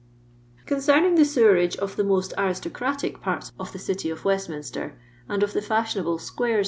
Concerning the sewerage of the most aris tociatic ports of the city of Westminster, and of the fiuhionable squares, &c.